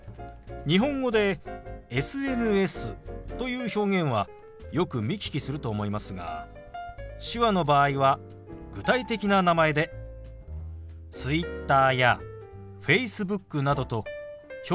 日本語でＳＮＳという表現はよく見聞きすると思いますが手話の場合は具体的な名前でＴｗｉｔｔｅｒやＦａｃｅｂｏｏｋなどと表現することが多いんですよ。